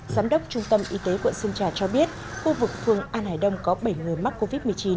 giám đốc trung tâm y tế quận sơn trà cho biết khu vực phường an hải đông có bảy người mắc covid một mươi chín